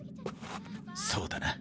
そうだな。